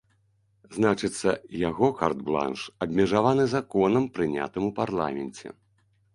Значыцца, яго карт-бланш абмежаваны законам, прынятым у парламенце.